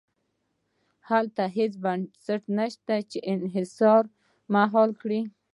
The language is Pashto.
هلته هېڅ بنسټ نه شته چې انحصار مهار کړي.